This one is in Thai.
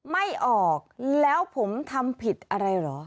ไม่ออกแล้วผมทำผิดอะไรเหรอ